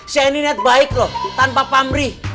saya ini niat baik loh tanpa pamrih